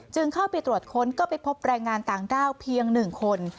เข้าไปตรวจค้นก็ไปพบแรงงานต่างด้าวเพียง๑คน